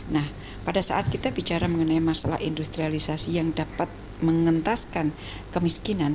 nah pada saat kita bicara mengenai masalah industrialisasi yang dapat mengentaskan kemiskinan